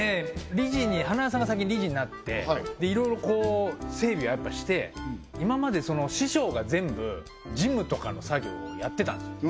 理事に塙さんが先に理事になっていろいろこう整備をやっぱりして今まで師匠が全部事務とかの作業をやってたんですよ